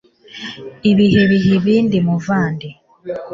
ibihe biha ibindi muvandi